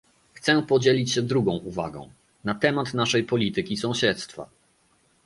Chcę podzielić się drugą uwagą - na temat naszej polityki sąsiedztwa